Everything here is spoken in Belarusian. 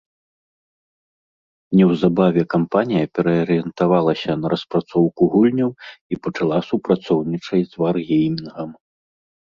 Неўзабаве кампанія пераарыентавалася на распрацоўку гульняў і пачала супрацоўнічаць з «Варгеймінгам».